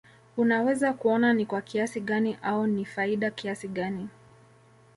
unaweza kuona ni kwa kiasi gani au ni faida kiasi gani